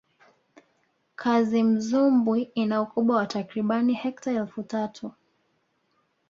kazimzumbwi ina ukubwa wa takribani hekta elfu tatu